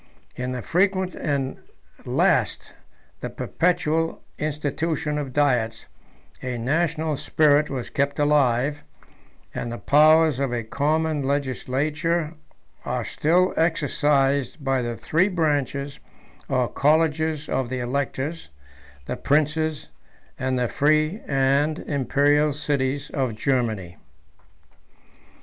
In the frequent and at last the perpetual institution of diets, a national spirit was kept alive, and the powers of a common legislature are still exercised by the three branches or colleges of the electors, the princes, and the free and Imperial cities of Germany.